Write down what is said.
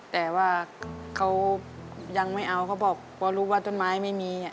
แต่ว่าเขายังไม่เอาเขาบอกพอรู้ว่าต้นไม้ไม่มี